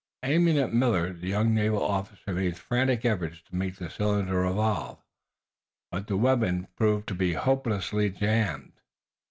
Aiming at Millard, the young naval officer made frantic efforts to make the cylinder revolve. But the weapon proved to be hopelessly jammed.